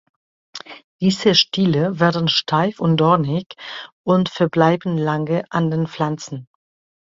Diese Stiele werden steif und dornig und verbleiben lange an den Pflanzen.